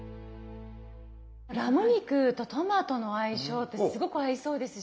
ラム肉とトマトの相性ってすごく合いそうですし。